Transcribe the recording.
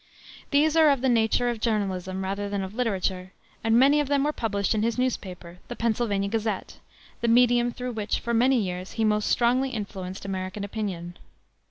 These are of the nature of journalism rather than of literature, and many of them were published in his newspaper, the Pennsylvania Gazette, the medium through which for many years he most strongly influenced American opinion.